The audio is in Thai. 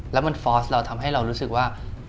แล้วมันฟอสเราทำให้เรารู้สึกว่า